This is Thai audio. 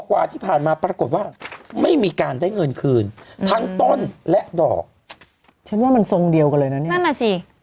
เวลาก็ชวนโลส่องเดี่ยวกันเลยนะ